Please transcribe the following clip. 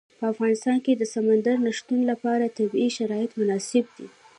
په افغانستان کې د سمندر نه شتون لپاره طبیعي شرایط مناسب دي.